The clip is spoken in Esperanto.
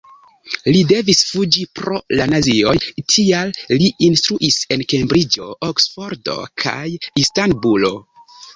Li devis fuĝi pro la nazioj, tial li instruis en Kembriĝo, Oksfordo kaj Istanbulo.